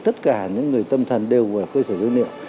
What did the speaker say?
tất cả những người tâm thần đều ở cơ sở dữ liệu